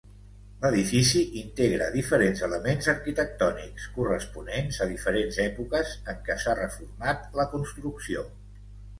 L'edifici integra diferents elements arquitectònics corresponents a diferents èpoques en què s'ha reformat la construcció.